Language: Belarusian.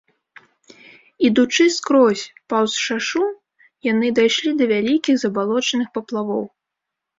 Ідучы скрозь паўз шашу, яны дайшлі да вялікіх забалочаных паплавоў.